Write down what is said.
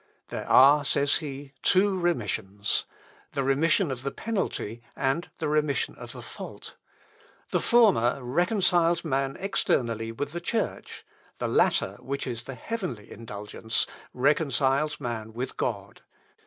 "There are," says he, "two remissions the remission of the penalty, and the remission of the fault. The former reconciles man externally with the Church; the latter, which is the heavenly indulgence, reconciles man with God.